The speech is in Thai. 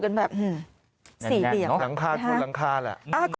กันแบบหลังค่าหลังค่าละ